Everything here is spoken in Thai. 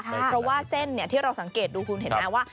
เพราะว่าเส้นที่เราสังเกตดูคุณเห็นไหมว่า